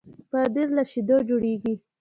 پنېر له شيدو جوړېږي.